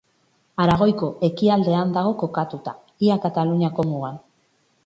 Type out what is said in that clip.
Aragoiko ekialdean dago kokatuta, ia Kataluniako mugan.